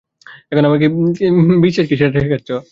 এখন আমাকে বিশ্বাস কি সেটা শেখাচ্ছ?